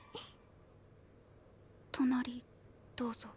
隣どうぞ。